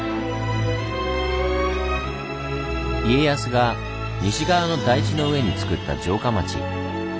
家康が西側の台地の上につくった城下町。